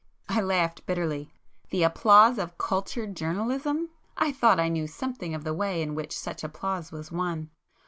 I laughed bitterly. 'The applause of cultured journalism!' I thought I knew something of the way in which such applause was won.